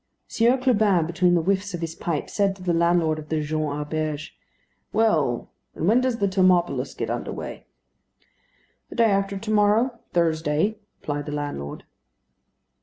Sieur Clubin, between the whiffs of his pipe, said to the landlord of the Jean Auberge: "Well; and when does the Tamaulipas get under way?" "The day after to morrow Thursday," replied the landlord.